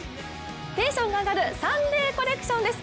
テンションが上がるサンデーコレクションです。